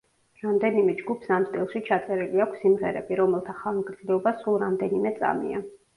რამდენიმე ჯგუფს ამ სტილში ჩაწერილი აქვს სიმღერები, რომელთა ხანგრძლივობა სულ რამდენიმე წამია.